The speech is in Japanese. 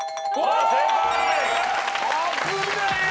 危ねえ！